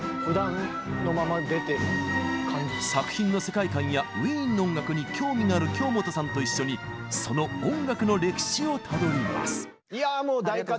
作品の世界観やウィーンの音楽に興味がある京本さんと一緒にその音楽の歴史をたどります。